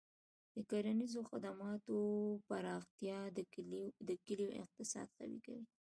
د کرنیزو خدماتو پراختیا د کلیو اقتصاد قوي کوي.